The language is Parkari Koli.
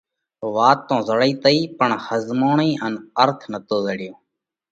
وات تو زڙئِي تئِي پڻ ۿزموڻئِي ان ارٿ نتو زڙيو۔